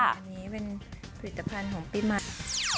อันนี้เป็นผลิตภัณฑ์ของปีมัด